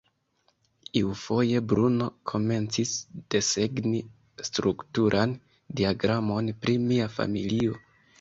Iufoje Bruno komencis desegni strukturan diagramon pri mia familio.